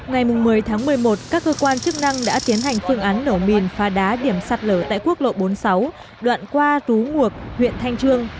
ngày một mươi tháng một mươi một các cơ quan chức năng đã tiến hành phương án nổ mìn phá đá điểm sạt lở tại quốc lộ bốn mươi sáu đoạn qua rú nguộc huyện thanh trương